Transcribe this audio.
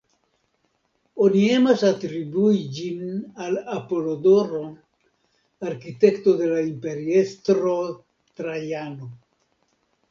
Oni emas atribui ĝin al Apolodoro, arkitekto de la imperiestro Trajano.